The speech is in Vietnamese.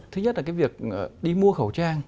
thứ nhất là cái việc đi mua khẩu trang